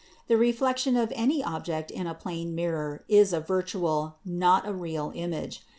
The reflection of any object in a plane mirror is a virtual, not a real image.